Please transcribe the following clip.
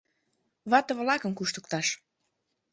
Вате-влакым куштыкташ!